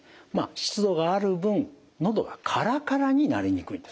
湿度がある分喉がカラカラになりにくいんですね。